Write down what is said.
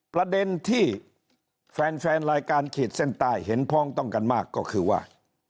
ประเด็นที่แฟนแฟนรายการขีดเส้นใต้เห็นพ้องต้องกันมากก็คือว่า